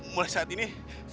mulai saat ini